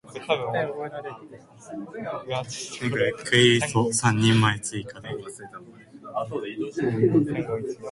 クリリソ三人前追加で